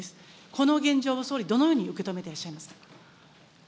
この現状を総理、どのように受け止めてらっしゃいますか。